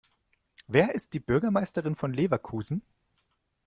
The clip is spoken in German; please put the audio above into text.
Wer ist die Bürgermeisterin von Leverkusen?